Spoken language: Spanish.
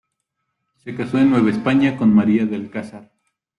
Se casó en Nueva España con María de Alcázar.